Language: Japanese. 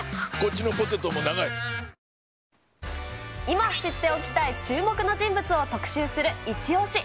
今知っておきたい注目の人物を特集するイチオシ！